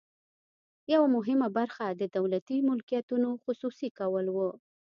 یوه مهمه برخه د دولتي ملکیتونو خصوصي کول وو.